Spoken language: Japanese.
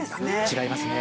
違いますね。